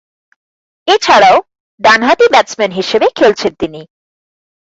এছাড়াও, ডানহাতি ব্যাটসম্যান হিসেবে খেলছেন তিনি।